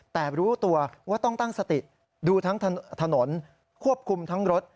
แต่รู้ตัวว่าต้องตั้งสติดูทั้งถนนควบคุมทั้งรถ